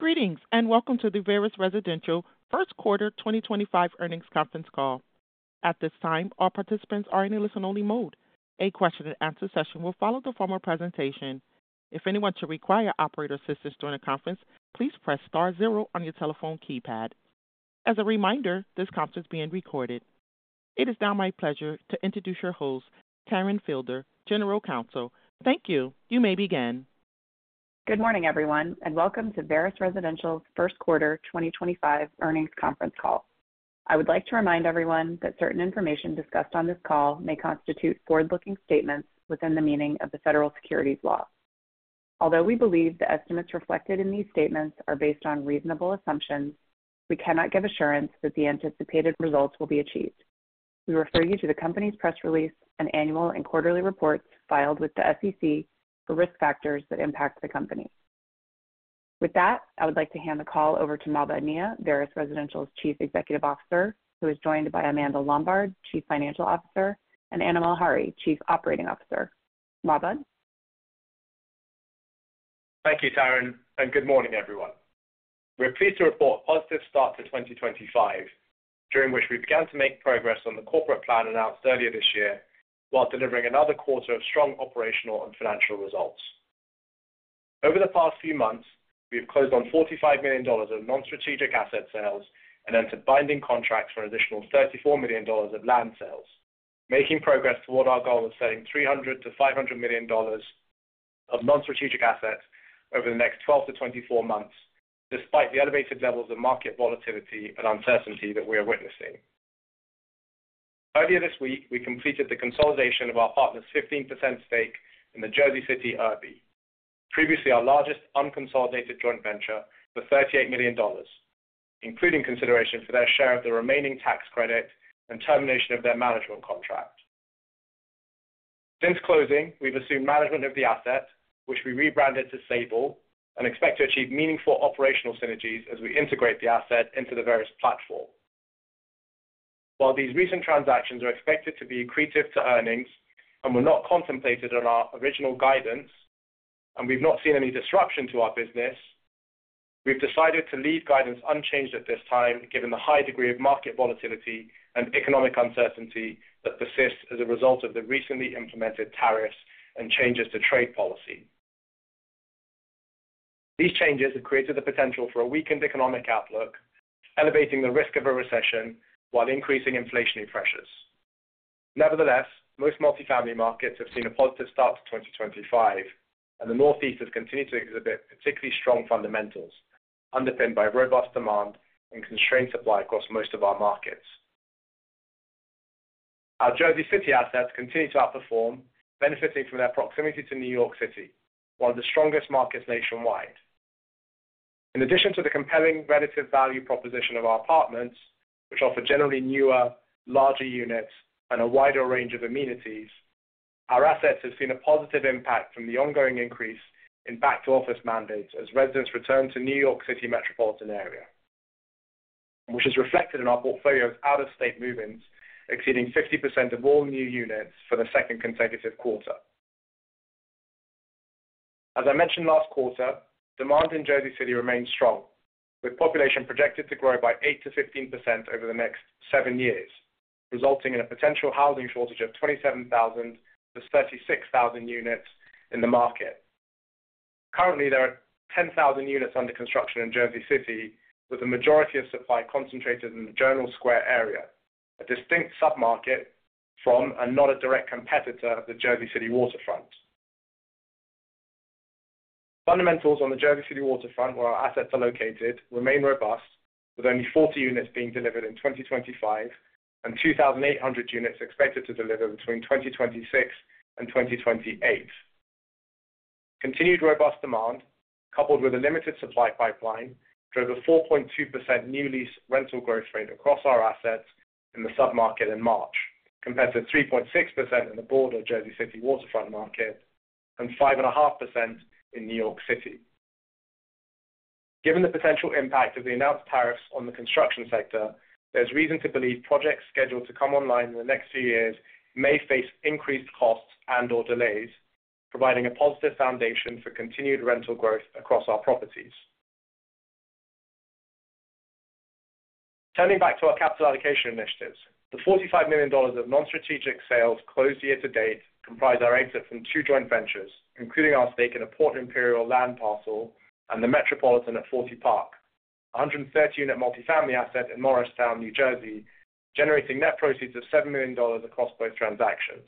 Greetings and welcome to the Veris Residential First Quarter 2025 Earnings Conference Call. At this time, all participants are in a listen-only mode. A question-and-answer session will follow the formal presentation. If anyone should require operator assistance during the conference, please press star zero on your telephone keypad. As a reminder, this conference is being recorded. It is now my pleasure to introduce your host, Taryn Fielder, General Counsel. Thank you. You may begin. Good morning, everyone, and welcome to Veris Residential's First Quarter 2025 Earnings Conference Call. I would like to remind everyone that certain information discussed on this call may constitute forward-looking statements within the meaning of the federal securities law. Although we believe the estimates reflected in these statements are based on reasonable assumptions, we cannot give assurance that the anticipated results will be achieved. We refer you to the company's press release and annual and quarterly reports filed with the SEC for risk factors that impact the company. With that, I would like to hand the call over to Mahbod Nia, Veris Residential's Chief Executive Officer, who is joined by Amanda Lombard, Chief Financial Officer, and Anna Malhari, Chief Operating Officer. Mahbod? Thank you, Taryn, and good morning, everyone. We're pleased to report a positive start to 2025, during which we began to make progress on the corporate plan announced earlier this year while delivering another quarter of strong operational and financial results. Over the past few months, we have closed on $45 million of non-strategic asset sales and entered binding contracts for an additional $34 million of land sales, making progress toward our goal of selling $300-$500 million of non-strategic assets over the next 12-24 months, despite the elevated levels of market volatility and uncertainty that we are witnessing. Earlier this week, we completed the consolidation of our partner's 15% stake in the Jersey City Urby, previously our largest unconsolidated joint venture, for $38 million, including consideration for their share of the remaining tax credit and termination of their management contract. Since closing, we've assumed management of the asset, which we rebranded to Sable, and expect to achieve meaningful operational synergies as we integrate the asset into the Veris platform. While these recent transactions are expected to be accretive to earnings and were not contemplated on our original guidance, and we've not seen any disruption to our business, we've decided to leave guidance unchanged at this time, given the high degree of market volatility and economic uncertainty that persists as a result of the recently implemented tariffs and changes to trade policy. These changes have created the potential for a weakened economic outlook, elevating the risk of a recession while increasing inflationary pressures. Nevertheless, most multifamily markets have seen a positive start to 2025, and the Northeast has continued to exhibit particularly strong fundamentals, underpinned by robust demand and constrained supply across most of our markets. Our Jersey City assets continue to outperform, benefiting from their proximity to New York City, one of the strongest markets nationwide. In addition to the compelling relative value proposition of our apartments, which offer generally newer, larger units and a wider range of amenities, our assets have seen a positive impact from the ongoing increase in back-to-office mandates as residents return to the New York City metropolitan area, which is reflected in our portfolio's out-of-state movements, exceeding 50% of all new units for the second consecutive quarter. As I mentioned last quarter, demand in Jersey City remains strong, with population projected to grow by 8-15% over the next seven years, resulting in a potential housing shortage of 27,000-36,000 units in the market. Currently, there are 10,000 units under construction in Jersey City, with the majority of supply concentrated in the Journal Square area, a distinct submarket from and not a direct competitor of the Jersey City Waterfront. Fundamentals on the Jersey City Waterfront, where our assets are located, remain robust, with only 40 units being delivered in 2025 and 2,800 units expected to deliver between 2026 and 2028. Continued robust demand, coupled with a limited supply pipeline, drove a 4.2% new lease rental growth rate across our assets in the submarket in March, compared to 3.6% in the broader Jersey City Waterfront market and 5.5% in New York City. Given the potential impact of the announced tariffs on the construction sector, there's reason to believe projects scheduled to come online in the next few years may face increased costs and/or delays, providing a positive foundation for continued rental growth across our properties. Turning back to our capital allocation initiatives, the $45 million of non-strategic sales closed year to date comprise our exit from two joint ventures, including our stake in a Port Imperial land parcel and the Metropolitan at 40 Park, a 130-unit multifamily asset in Morristown, New Jersey, generating net proceeds of $7 million across both transactions.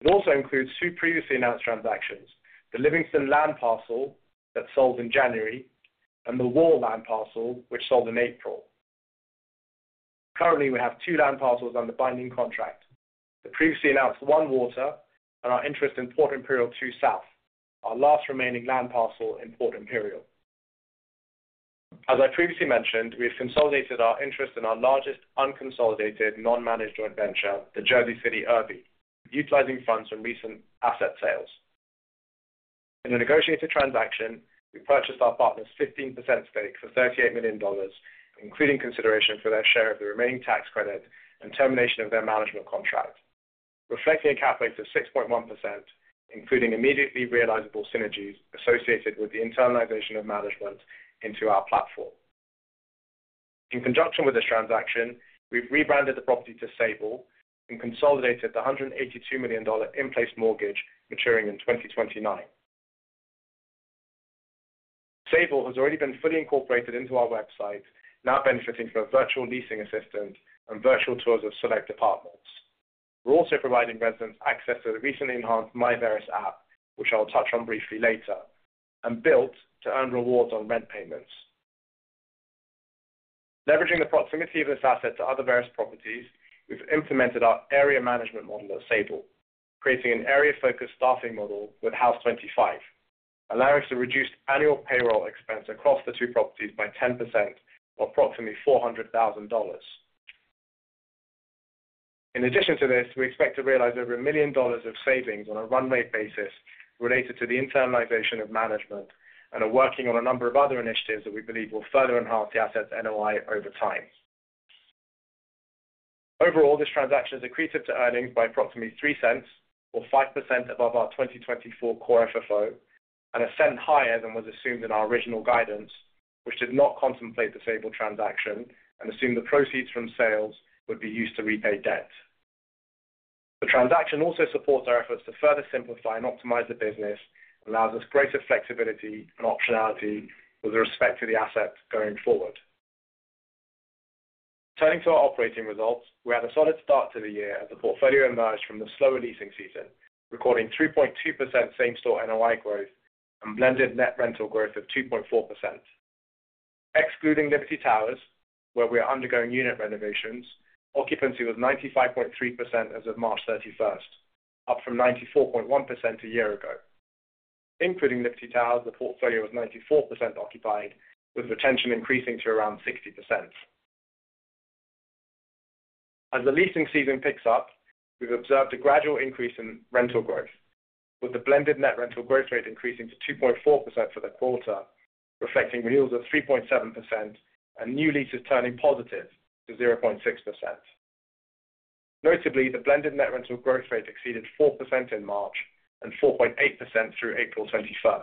It also includes two previously announced transactions: the Livingston land parcel that sold in January and the Wall land parcel, which sold in April. Currently, we have two land parcels under binding contract, the previously announced One Water, and our interest in Port Imperial Two South, our last remaining land parcel in Port Imperial. As I previously mentioned, we have consolidated our interest in our largest unconsolidated non-managed joint venture, the Jersey City Urby, utilizing funds from recent asset sales. In a negotiated transaction, we purchased our partner's 15% stake for $38 million, including consideration for their share of the remaining tax credit and termination of their management contract, reflecting a cap rate of 6.1%, including immediately realizable synergies associated with the internalization of management into our platform. In conjunction with this transaction, we've rebranded the property to Sable and consolidated the $182 million in-place mortgage maturing in 2029. Sable has already been fully incorporated into our website, now benefiting from a virtual leasing assistant and virtual tours of select apartments. We're also providing residents access to the recently enhanced MyVeris app, which I'll touch on briefly later, and built to earn rewards on rent payments. Leveraging the proximity of this asset to other Veris properties, we've implemented our area management model at Sable, creating an area-focused staffing model with Haus25, allowing us to reduce annual payroll expense across the two properties by 10%, or approximately $400,000. In addition to this, we expect to realize over $1 million of savings on a runway basis related to the internalization of management and are working on a number of other initiatives that we believe will further enhance the asset's NOI over time. Overall, this transaction is accretive to earnings by approximately $0.03, or 5% above our 2024 core FFO, and a cent higher than was assumed in our original guidance, which did not contemplate the Sable transaction and assumed the proceeds from sales would be used to repay debt. The transaction also supports our efforts to further simplify and optimize the business and allows us greater flexibility and optionality with respect to the asset going forward. Turning to our operating results, we had a solid start to the year as the portfolio emerged from the slower leasing season, recording 3.2% same-store NOI growth and blended net rental growth of 2.4%. Excluding Liberty Towers, where we are undergoing unit renovations, occupancy was 95.3% as of March 31, up from 94.1% a year ago. Including Liberty Towers, the portfolio was 94% occupied, with retention increasing to around 60%. As the leasing season picks up, we've observed a gradual increase in rental growth, with the blended net rental growth rate increasing to 2.4% for the quarter, reflecting renewals of 3.7% and new leases turning positive to 0.6%. Notably, the blended net rental growth rate exceeded 4% in March and 4.8% through April 21.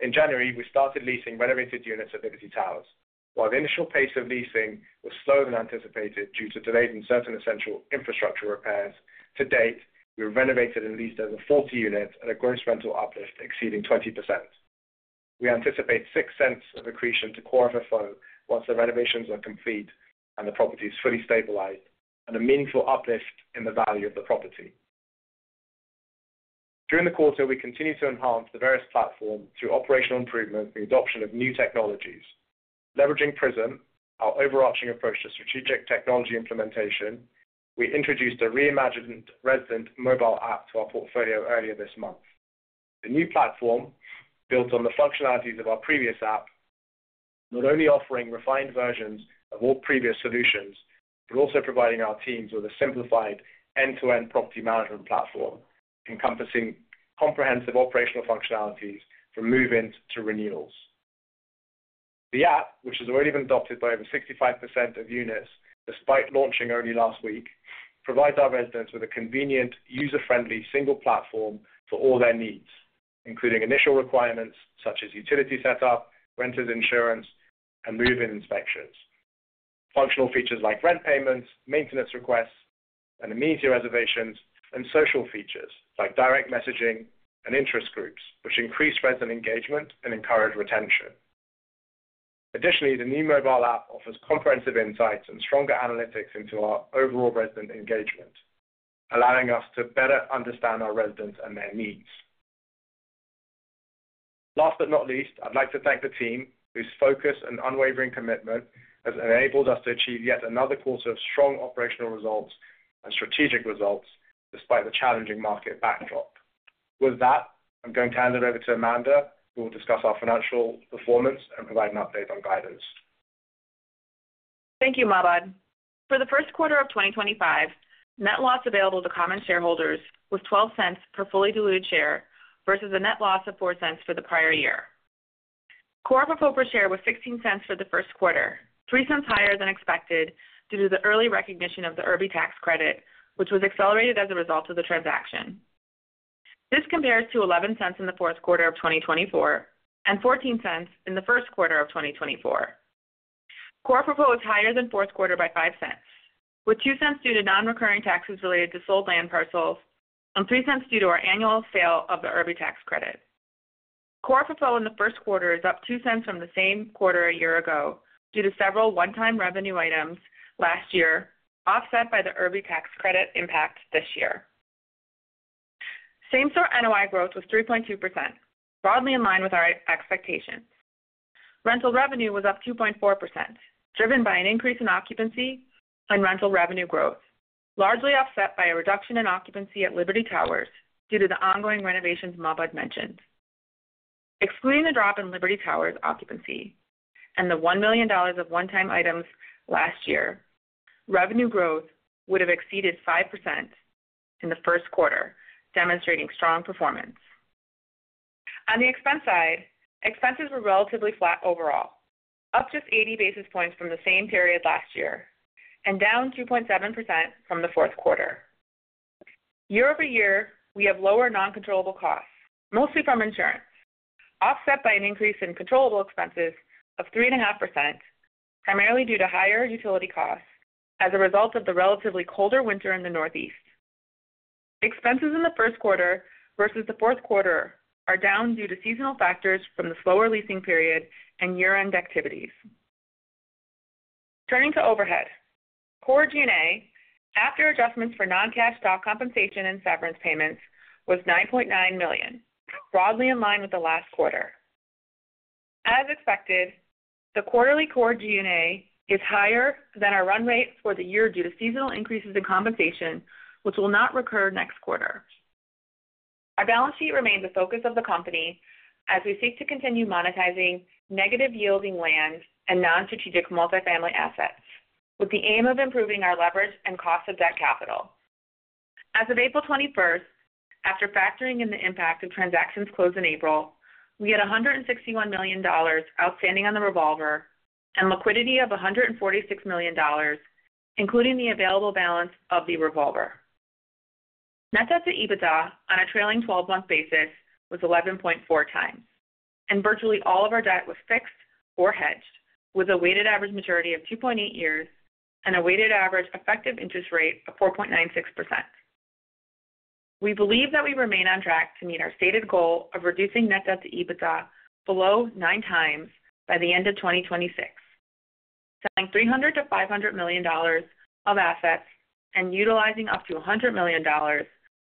In January, we started leasing renovated units at Liberty Towers. While the initial pace of leasing was slower than anticipated due to delays in certain essential infrastructure repairs, to date, we have renovated and leased over 40 units at a gross rental uplift exceeding 20%. We anticipate 6 cents of accretion to core FFO once the renovations are complete and the property is fully stabilized, and a meaningful uplift in the value of the property. During the quarter, we continue to enhance the Veris platform through operational improvements and the adoption of new technologies. Leveraging PRISM, our overarching approach to strategic technology implementation, we introduced a reimagined resident mobile app to our portfolio earlier this month. The new platform, built on the functionalities of our previous app, not only offers refined versions of all previous solutions but also provides our teams with a simplified end-to-end property management platform, encompassing comprehensive operational functionalities from move-ins to renewals. The app, which has already been adopted by over 65% of units despite launching only last week, provides our residents with a convenient, user-friendly single platform for all their needs, including initial requirements such as utility setup, renters' insurance, and move-in inspections, functional features like rent payments, maintenance requests and amenity reservations, and social features like direct messaging and interest groups, which increase resident engagement and encourage retention. Additionally, the new mobile app offers comprehensive insights and stronger analytics into our overall resident engagement, allowing us to better understand our residents and their needs. Last but not least, I'd like to thank the team, whose focus and unwavering commitment have enabled us to achieve yet another quarter of strong operational results and strategic results despite the challenging market backdrop. With that, I'm going to hand it over to Amanda, who will discuss our financial performance and provide an update on guidance. Thank you, Mahbod. For the first quarter of 2025, net loss available to common shareholders was $0.12 per fully diluted share versus a net loss of $0.04 for the prior year. Core FFO per share was $0.16 for the first quarter, $0.03 higher than expected due to the early recognition of the Urby tax credit, which was accelerated as a result of the transaction. This compares to $0.11 in the fourth quarter of 2024 and $0.14 in the first quarter of 2024. Core FFO is higher than fourth quarter by $0.05, with $0.02 due to non-recurring taxes related to sold land parcels and $0.03 due to our annual sale of the Urby tax credit. Core FFO in the first quarter is up 2 cents from the same quarter a year ago due to several one-time revenue items last year offset by the Urby tax credit impact this year. Same-store NOI growth was 3.2%, broadly in line with our expectations. Rental revenue was up 2.4%, driven by an increase in occupancy and rental revenue growth, largely offset by a reduction in occupancy at Liberty Towers due to the ongoing renovations Mahbod mentioned. Excluding the drop in Liberty Towers occupancy and the $1 million of one-time items last year, revenue growth would have exceeded 5% in the first quarter, demonstrating strong performance. On the expense side, expenses were relatively flat overall, up just 80 basis points from the same period last year and down 2.7% from the fourth quarter. Year over year, we have lower non-controllable costs, mostly from insurance, offset by an increase in controllable expenses of 3.5%, primarily due to higher utility costs as a result of the relatively colder winter in the Northeast. Expenses in the first quarter versus the fourth quarter are down due to seasonal factors from the slower leasing period and year-end activities. Turning to overhead, core G&A, after adjustments for non-cash stock compensation and severance payments, was $9.9 million, broadly in line with the last quarter. As expected, the quarterly core G&A is higher than our run rate for the year due to seasonal increases in compensation, which will not recur next quarter. Our balance sheet remains a focus of the company as we seek to continue monetizing negative-yielding land and non-strategic multifamily assets, with the aim of improving our leverage and cost of debt capital. As of April 21st, after factoring in the impact of transactions closed in April, we had $161 million outstanding on the revolver and liquidity of $146 million, including the available balance of the revolver. Net debt to EBITDA on a trailing 12-month basis was 11.4x, and virtually all of our debt was fixed or hedged, with a weighted average maturity of 2.8 years and a weighted average effective interest rate of 4.96%. We believe that we remain on track to meet our stated goal of reducing net debt to EBITDA below 9 times by the end of 2026, selling $300-$500 million of assets and utilizing up to $100 million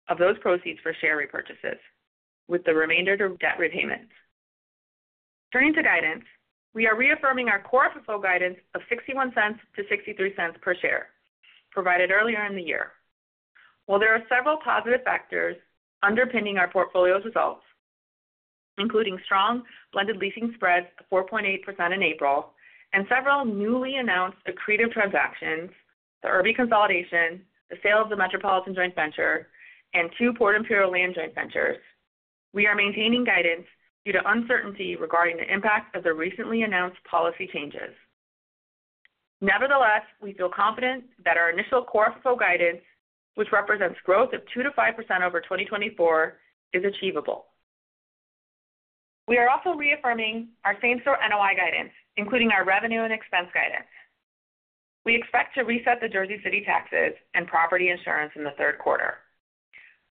of those proceeds for share repurchases, with the remainder to debt repayments. Turning to guidance, we are reaffirming our core FFO guidance of $0.61-$0.63 per share provided earlier in the year. While there are several positive factors underpinning our portfolio's results, including strong blended leasing spreads of 4.8% in April and several newly announced accretive transactions, the Urby consolidation, the sale of the Metropolitan Joint Venture, and two Port Imperial Land Joint Ventures, we are maintaining guidance due to uncertainty regarding the impact of the recently announced policy changes. Nevertheless, we feel confident that our initial core FFO guidance, which represents growth of 2%-5% over 2024, is achievable. We are also reaffirming our same-store NOI guidance, including our revenue and expense guidance. We expect to reset the Jersey City taxes and property insurance in the third quarter,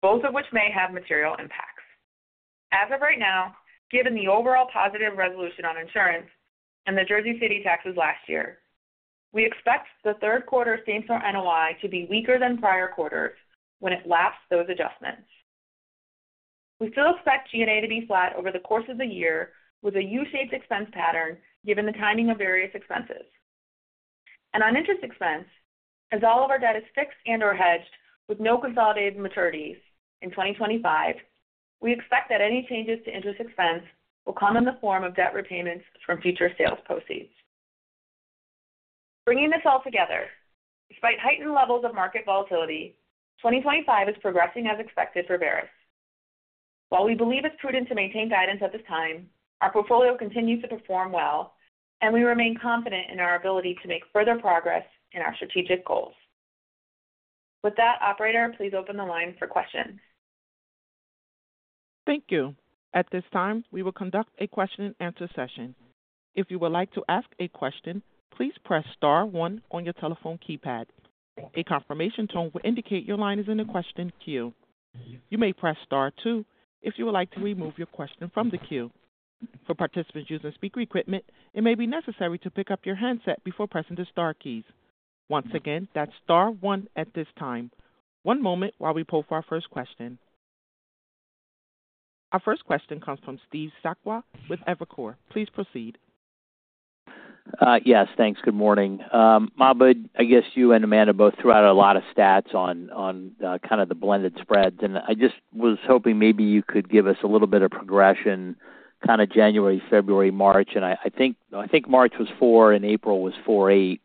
both of which may have material impacts. As of right now, given the overall positive resolution on insurance and the Jersey City taxes last year, we expect the third quarter same-store NOI to be weaker than prior quarters when it lapsed those adjustments. We still expect G&A to be flat over the course of the year with a U-shaped expense pattern given the timing of various expenses. On interest expense, as all of our debt is fixed and/or hedged with no consolidated maturities in 2025, we expect that any changes to interest expense will come in the form of debt repayments from future sales proceeds. Bringing this all together, despite heightened levels of market volatility, 2025 is progressing as expected for Veris Residential. While we believe it's prudent to maintain guidance at this time, our portfolio continues to perform well, and we remain confident in our ability to make further progress in our strategic goals. With that, Operator, please open the line for questions. Thank you. At this time, we will conduct a question-and-answer session. If you would like to ask a question, please press Star one on your telephone keypad. A confirmation tone will indicate your line is in the question queue. You may press Star two if you would like to remove your question from the queue. For participants using speaker equipment, it may be necessary to pick up your handset before pressing the Star keys. Once again, that's Star one at this time. One moment while we poll for our first question. Our first question comes from Steve Sakwa with Evercore. Please proceed. Yes, thanks. Good morning. Mahbod, I guess you and Amanda both threw out a lot of stats on kind of the blended spreads, and I just was hoping maybe you could give us a little bit of progression, kind of January, February, March. I think March was 4% and April was 4.8%.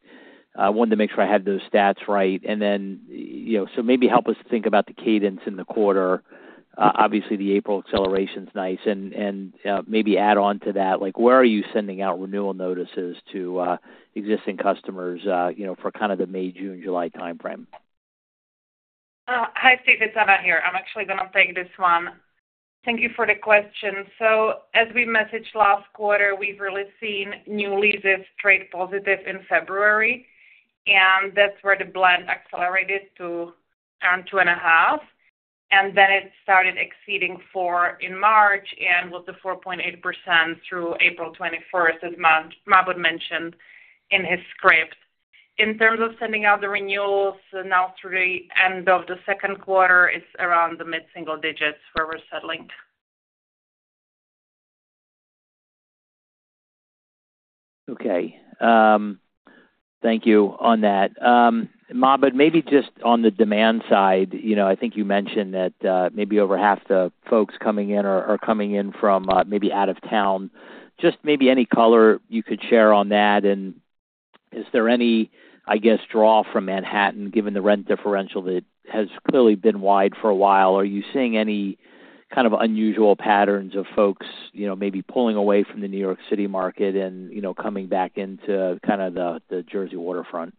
I wanted to make sure I had those stats right. Maybe help us think about the cadence in the quarter. Obviously, the April acceleration's nice. Maybe add on to that, where are you sending out renewal notices to existing customers for kind of the May, June, July timeframe? Hi, Steve. It's Amanda here. I'm actually going to take this one. Thank you for the question. As we messaged last quarter, we've really seen new leases trade positive in February, and that's where the blend accelerated to around 2.5%. It started exceeding 4% in March and was at 4.8% through April 21, as Mahbod mentioned in his script. In terms of sending out the renewals now through the end of the second quarter, it's around the mid-single digits where we're settling. Okay. Thank you on that. Mahbod, maybe just on the demand side, I think you mentioned that maybe over half the folks coming in are coming in from maybe out of town. Just maybe any color you could share on that. Is there any, I guess, draw from Manhattan, given the rent differential that has clearly been wide for a while? Are you seeing any kind of unusual patterns of folks maybe pulling away from the New York City market and coming back into kind of the Jersey waterfront?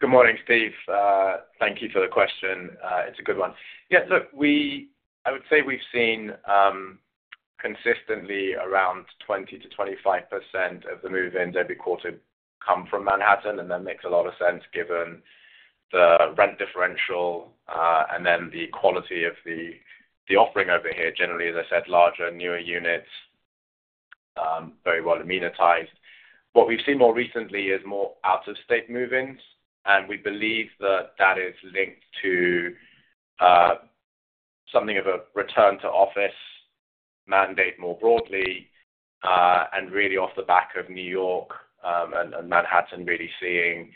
Good morning, Steve. Thank you for the question. It's a good one. Yeah, I would say we've seen consistently around 20%-25% of the move-ins every quarter come from Manhattan, and that makes a lot of sense given the rent differential and the quality of the offering over here. Generally, as I said, larger, newer units, very well amenitized. What we've seen more recently is more out-of-state move-ins, and we believe that is linked to something of a return-to-office mandate more broadly and really off the back of New York and Manhattan really seeing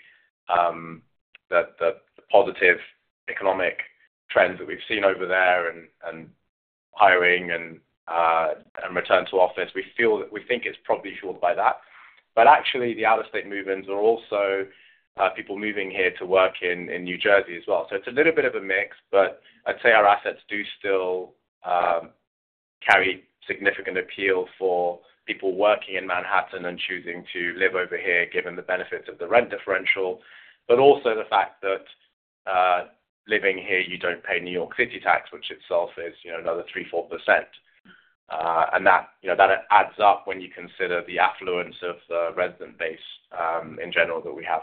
the positive economic trends that we've seen over there and hiring and return-to-office. We think it's probably fueled by that. Actually, the out-of-state move-ins are also people moving here to work in New Jersey as well. It is a little bit of a mix, but I'd say our assets do still carry significant appeal for people working in Manhattan and choosing to live over here given the benefits of the rent differential, but also the fact that living here, you do not pay New York City tax, which itself is another 3%-4%. That adds up when you consider the affluence of the resident base in general that we have.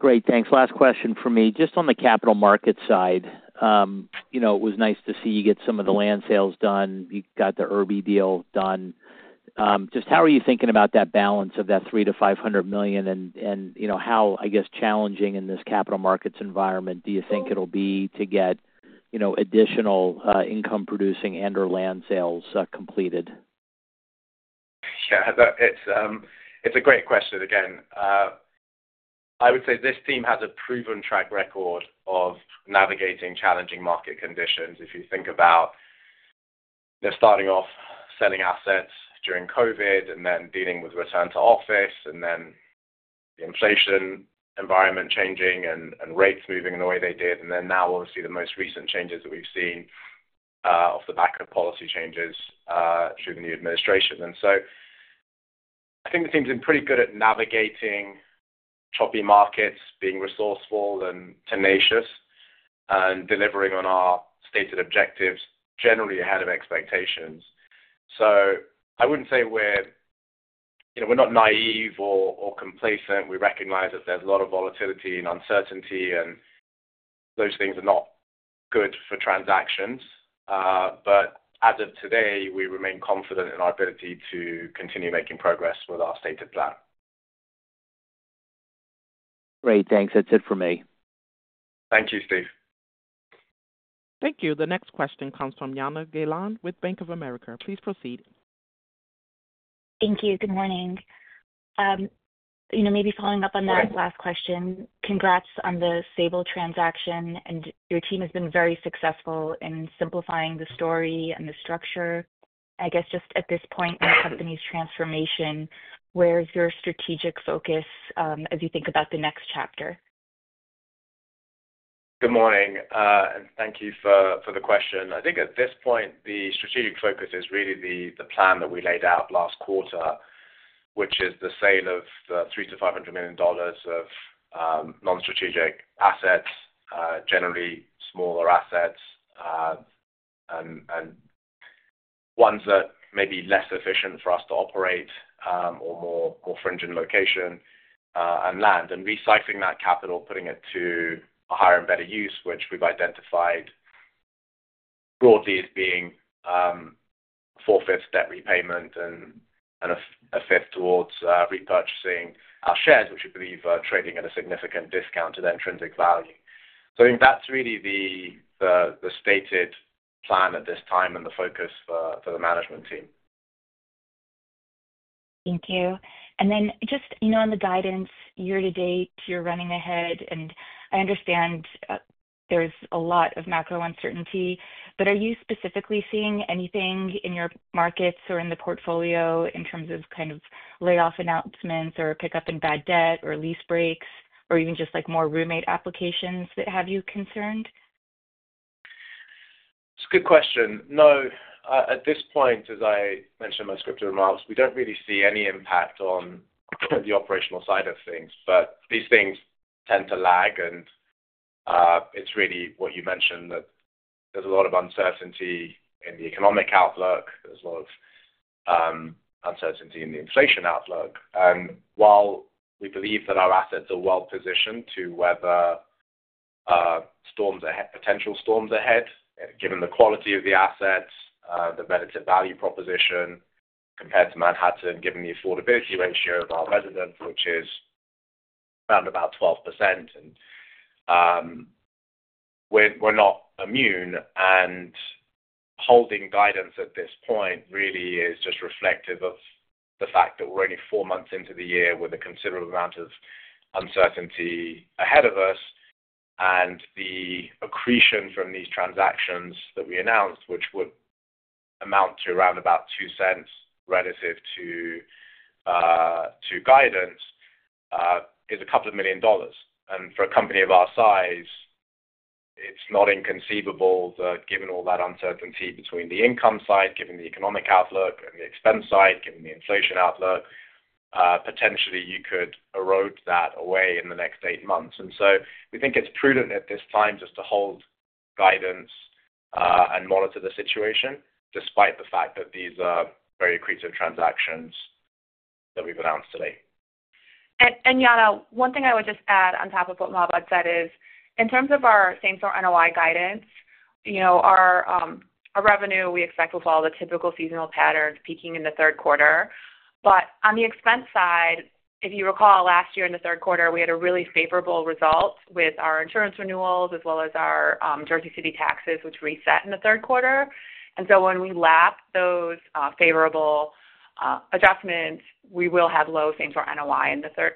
Great. Thanks. Last question for me. Just on the capital market side, it was nice to see you get some of the land sales done. You got the Urby deal done. Just how are you thinking about that balance of that $300 million-$500 million and how, I guess, challenging in this capital markets environment do you think it'll be to get additional income-producing and/or land sales completed? Yeah. It's a great question. Again, I would say this team has a proven track record of navigating challenging market conditions. If you think about starting off selling assets during COVID and then dealing with return-to-office and then the inflation environment changing and rates moving in the way they did, and now, obviously, the most recent changes that we've seen off the back of policy changes through the new administration. I think the team's been pretty good at navigating choppy markets, being resourceful and tenacious, and delivering on our stated objectives generally ahead of expectations. I wouldn't say we're not naive or complacent. We recognize that there's a lot of volatility and uncertainty, and those things are not good for transactions. As of today, we remain confident in our ability to continue making progress with our stated plan. Great. Thanks. That's it for me. Thank you, Steve. Thank you. The next question comes from Jana Galan with Bank of America. Please proceed. Thank you. Good morning. Maybe following up on that last question, congrats on the Sable transaction, and your team has been very successful in simplifying the story and the structure. I guess just at this point in the company's transformation, where's your strategic focus as you think about the next chapter? Good morning, and thank you for the question. I think at this point, the strategic focus is really the plan that we laid out last quarter, which is the sale of the $300-$500 million of non-strategic assets, generally smaller assets and ones that may be less efficient for us to operate or more fringe in location and land, and recycling that capital, putting it to a higher and better use, which we've identified broadly as being four-fifths debt repayment and a fifth towards repurchasing our shares, which we believe are trading at a significant discount to their intrinsic value. I think that's really the stated plan at this time and the focus for the management team. Thank you. Just on the guidance year to date, you're running ahead, and I understand there's a lot of macro uncertainty, but are you specifically seeing anything in your markets or in the portfolio in terms of kind of layoff announcements or pickup in bad debt or lease breaks or even just more roommate applications that have you concerned? It's a good question. No, at this point, as I mentioned in my script of remarks, we don't really see any impact on the operational side of things, but these things tend to lag. It's really what you mentioned, that there's a lot of uncertainty in the economic outlook. There's a lot of uncertainty in the inflation outlook. While we believe that our assets are well positioned to weather potential storms ahead, given the quality of the assets, the relative value proposition compared to Manhattan, given the affordability ratio of our residents, which is around about 12%, we're not immune. Holding guidance at this point really is just reflective of the fact that we're only four months into the year with a considerable amount of uncertainty ahead of us. The accretion from these transactions that we announced, which would amount to around about 2 cents relative to guidance, is a couple of million dollars. For a company of our size, it's not inconceivable that given all that uncertainty between the income side, given the economic outlook, and the expense side, given the inflation outlook, potentially you could erode that away in the next eight months. We think it's prudent at this time just to hold guidance and monitor the situation despite the fact that these are very accretive transactions that we've announced today. Yana, one thing I would just add on top of what Mahbod said is in terms of our same-store NOI guidance, our revenue we expect will follow the typical seasonal pattern peaking in the third quarter. On the expense side, if you recall, last year in the third quarter, we had a really favorable result with our insurance renewals as well as our Jersey City taxes, which reset in the third quarter. When we lap those favorable adjustments, we will have lower same-store NOI in the third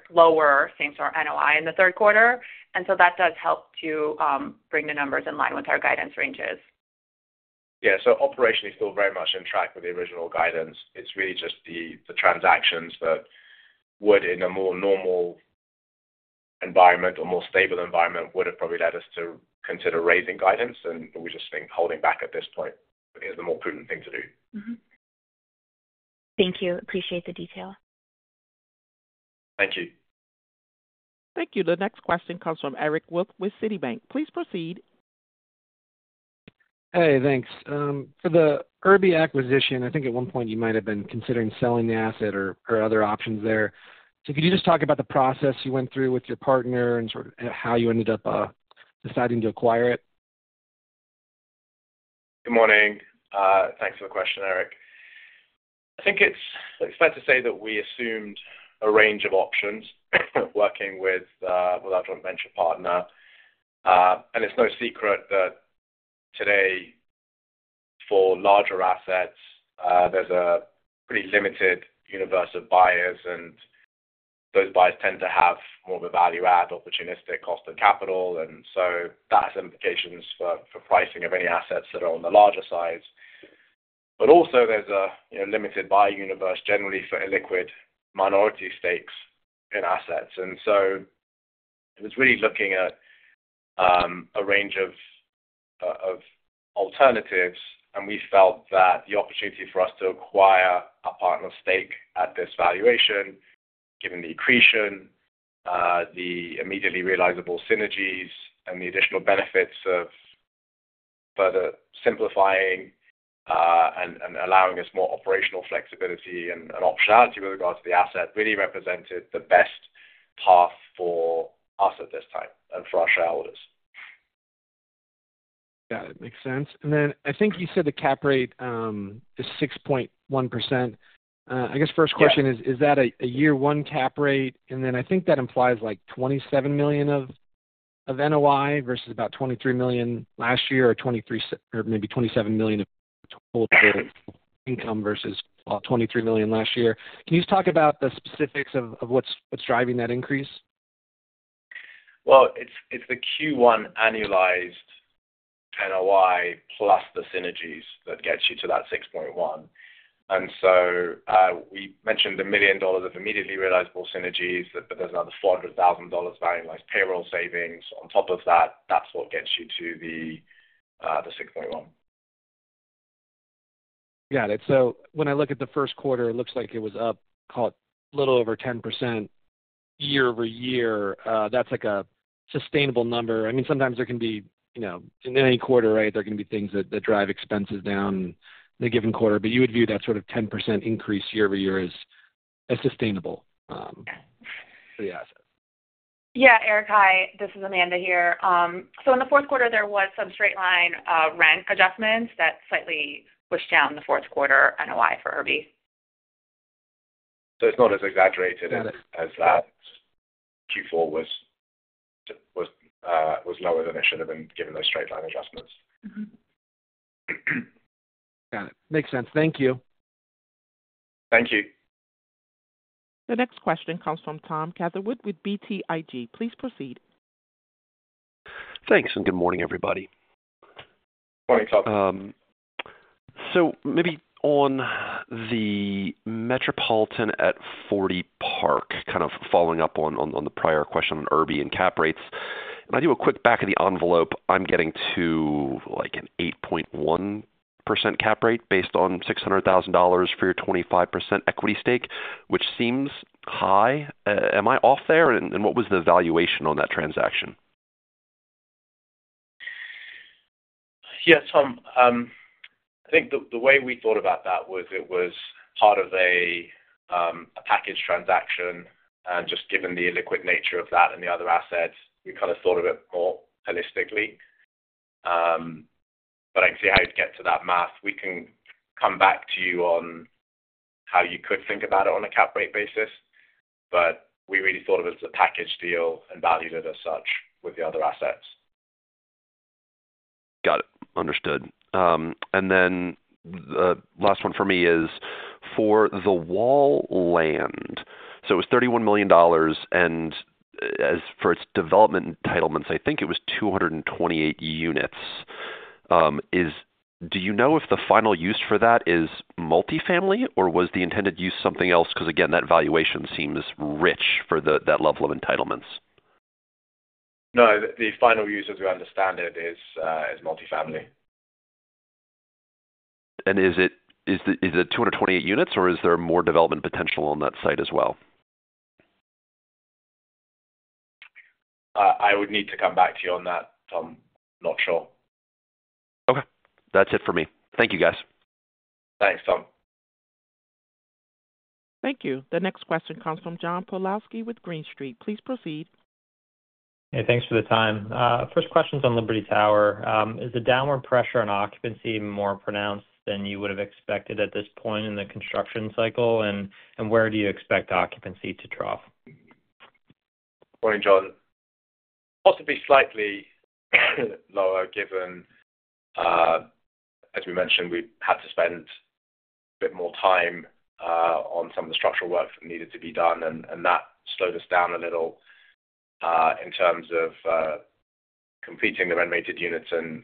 quarter. That does help to bring the numbers in line with our guidance ranges. Yeah. Operationally, still very much in track with the original guidance. It's really just the transactions that would, in a more normal environment or more stable environment, would have probably led us to consider raising guidance. We just think holding back at this point is the more prudent thing to do. Thank you. Appreciate the detail. Thank you. Thank you. The next question comes from Eric Wolfe with Citibank. Please proceed. Hey, thanks. For the Urby acquisition, I think at one point you might have been considering selling the asset or other options there. Could you just talk about the process you went through with your partner and sort of how you ended up deciding to acquire it? Good morning. Thanks for the question, Eric. I think it's fair to say that we assumed a range of options working with our joint venture partner. It's no secret that today, for larger assets, there's a pretty limited universe of buyers, and those buyers tend to have more of a value-add, opportunistic cost of capital. That has implications for pricing of any assets that are on the larger side. Also, there's a limited buy universe generally for illiquid minority stakes in assets. It was really looking at a range of alternatives, and we felt that the opportunity for us to acquire our partner stake at this valuation, given the accretion, the immediately realizable synergies, and the additional benefits of further simplifying and allowing us more operational flexibility and optionality with regards to the asset, really represented the best path for us at this time and for our shareholders. Yeah, that makes sense. I think you said the cap rate is 6.1%. I guess first question is, is that a year-one cap rate? I think that implies like $27 million of NOI versus about $23 million last year or maybe $27 million of total income versus $23 million last year. Can you just talk about the specifics of what's driving that increase? It is the Q1 annualized NOI plus the synergies that gets you to that 6.1. We mentioned the million dollars of immediately realizable synergies, but there is another $400,000 value in, like, payroll savings. On top of that, that is what gets you to the 6.1. Got it. When I look at the first quarter, it looks like it was up, call it a little over 10% year over year. That's like a sustainable number. I mean, sometimes there can be in any quarter, right, there can be things that drive expenses down in a given quarter. You would view that sort of 10% increase year over year as sustainable for the assets. Yeah, Eric, hi. This is Amanda here. In the fourth quarter, there was some straight-line rent adjustments that slightly pushed down the fourth quarter NOI for Urby. It is not as exaggerated as that. Q4 was lower than it should have been given those straight-line adjustments. Got it. Makes sense. Thank you. Thank you. The next question comes from Tom Catherwood with BTIG. Please proceed. Thanks, and good morning, everybody. Morning, Tom. Maybe on the Metropolitan at 40 Park, kind of following up on the prior question on Urby and cap rates, when I do a quick back of the envelope, I'm getting to like an 8.1% cap rate based on $600,000 for your 25% equity stake, which seems high. Am I off there? What was the valuation on that transaction? Yeah, Tom, I think the way we thought about that was it was part of a package transaction. Just given the illiquid nature of that and the other assets, we kind of thought of it more holistically. I can see how you'd get to that math. We can come back to you on how you could think about it on a cap rate basis, but we really thought of it as a package deal and valued it as such with the other assets. Got it. Understood. The last one for me is for the Wall land. It was $31 million, and as for its development entitlements, I think it was 228 units. Do you know if the final use for that is multifamily, or was the intended use something else? Because again, that valuation seems rich for that level of entitlements. No, the final use, as we understand it, is multifamily. Is it 228 units, or is there more development potential on that site as well? I would need to come back to you on that. I'm not sure. Okay. That's it for me. Thank you, guys. Thanks, Tom. Thank you. The next question comes from John Pawlowski with Green Street. Please proceed. Hey, thanks for the time. First question's on Liberty Towers. Is the downward pressure on occupancy more pronounced than you would have expected at this point in the construction cycle, and where do you expect occupancy to trough? Morning, John. Possibly slightly lower given, as we mentioned, we had to spend a bit more time on some of the structural work that needed to be done, and that slowed us down a little in terms of completing the renovated units and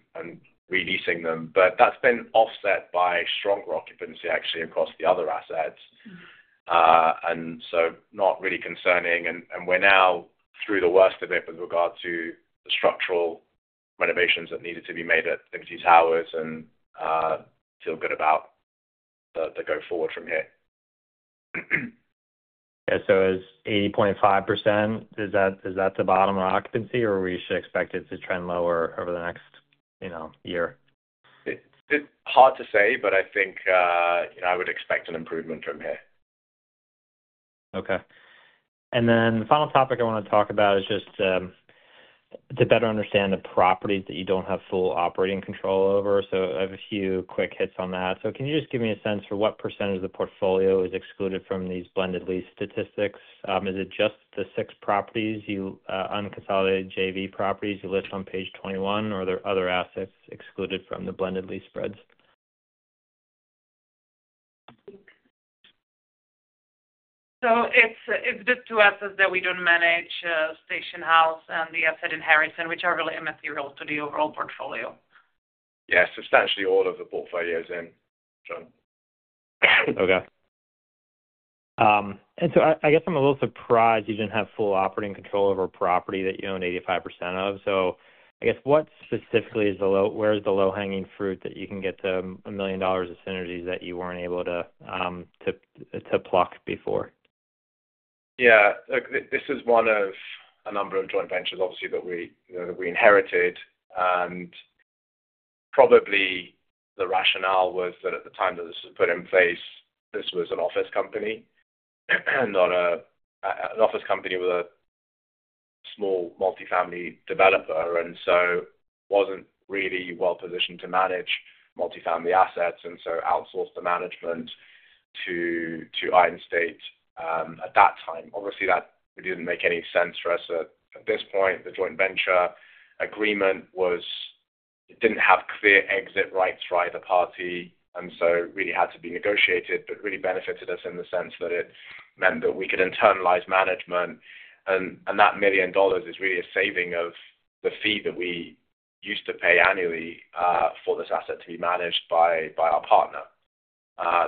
releasing them. That has been offset by stronger occupancy, actually, across the other assets. Not really concerning. We are now through the worst of it with regard to the structural renovations that needed to be made at Liberty Towers, and feel good about the go-forward from here. Yeah. So is 80.5%, is that the bottom of occupancy, or are we should expect it to trend lower over the next year? It's hard to say, but I think I would expect an improvement from here. Okay. The final topic I want to talk about is just to better understand the properties that you don't have full operating control over. I have a few quick hits on that. Can you just give me a sense for what percentage of the portfolio is excluded from these blended lease statistics? Is it just the six properties, unconsolidated JV properties you list on page 21, or are there other assets excluded from the blended lease spreads? It is the two assets that we do not manage, Station House and the asset in Harrison, which are really immaterial to the overall portfolio. Yeah, substantially all of the portfolio is in, John. Okay. I guess I'm a little surprised you didn't have full operating control over property that you own 85% of. I guess what specifically is the low, where's the low-hanging fruit that you can get to a million dollars of synergies that you weren't able to pluck before? Yeah. This is one of a number of joint ventures, obviously, that we inherited. Probably the rationale was that at the time that this was put in place, this was an office company and not an office company with a small multifamily developer. It was not really well positioned to manage multifamily assets, and so outsourced the management to Ironstate at that time. Obviously, that really did not make any sense for us at this point. The joint venture agreement did not have clear exit rights for either party, and it really had to be negotiated, but really benefited us in the sense that it meant that we could internalize management. That million dollars is really a saving of the fee that we used to pay annually for this asset to be managed by our partner.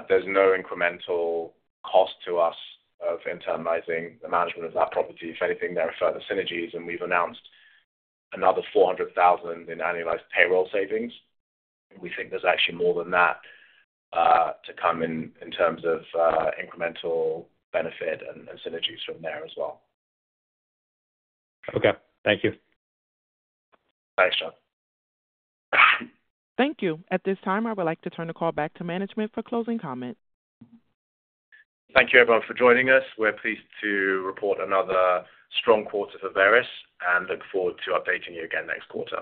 There's no incremental cost to us of internalizing the management of that property. If anything, there are further synergies, and we've announced another $400,000 in annualized payroll savings. We think there's actually more than that to come in terms of incremental benefit and synergies from there as well. Okay. Thank you. Thanks, John. Thank you. At this time, I would like to turn the call back to management for closing comment. Thank you, everyone, for joining us. We're pleased to report another strong quarter for Veris and look forward to updating you again next quarter.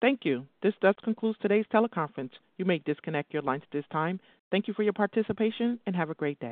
Thank you. This does conclude today's teleconference. You may disconnect your lines at this time. Thank you for your participation and have a great day.